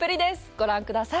ご覧ください。